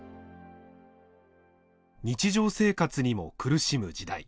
日常生活にも苦しむ時代。